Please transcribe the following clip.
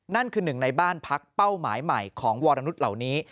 หนึ่งคือหนึ่งในบ้านพักเป้าหมายใหม่ของวรนุษย์เหล่านี้